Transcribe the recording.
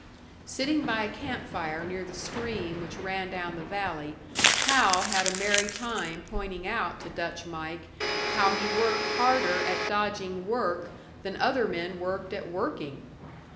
Sitting by a camp fire near the stream which ran down the valley, Hal had a merry time pointing out to "Dutch Mike" how he worked harder at dodging work than other men worked at working.